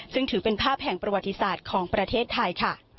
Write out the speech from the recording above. ซึ่งถือเป็นภาพแห่งประวัติศาสตร์ของประเทศไทยค่ะ